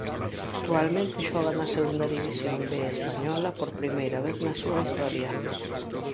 Actualmente xoga na Segunda División B Española por primeira vez na súa historia.